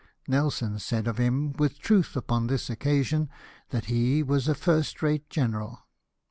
Nelson said of him, with truth upon this occasion, that he was a first rate general.